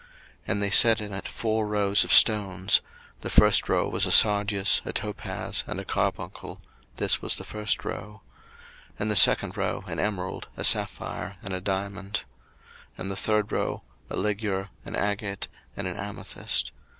02:039:010 And they set in it four rows of stones: the first row was a sardius, a topaz, and a carbuncle: this was the first row. 02:039:011 And the second row, an emerald, a sapphire, and a diamond. 02:039:012 And the third row, a ligure, an agate, and an amethyst.